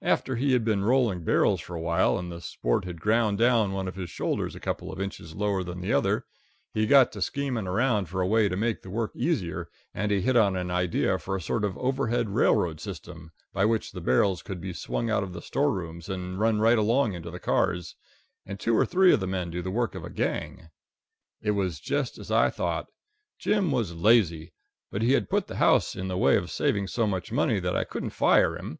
After he had been rolling barrels a while, and the sport had ground down one of his shoulders a couple of inches lower than the other, he got to scheming around for a way to make the work easier, and he hit on an idea for a sort of overhead railroad system, by which the barrels could be swung out of the storerooms and run right along into the cars, and two or three men do the work of a gang. It was just as I thought. Jim was lazy, but he had put the house in the way of saving so much money that I couldn't fire him.